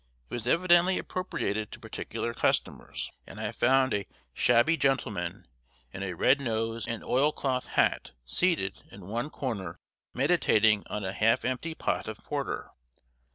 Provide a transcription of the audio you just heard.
It was evidently appropriated to particular customers, and I found a shabby gentleman in a red nose and oil cloth hat seated in one corner meditating on a half empty pot of porter.